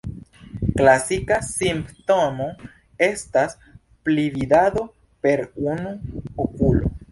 Klasika simptomo estas pli-vidado per unu okulo.